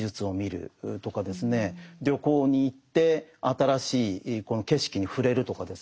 旅行に行って新しい景色に触れるとかですね